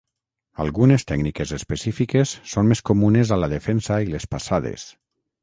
Algunes tècniques específiques són més comunes a la defensa i les passades.